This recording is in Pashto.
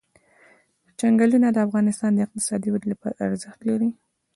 چنګلونه د افغانستان د اقتصادي ودې لپاره ارزښت لري.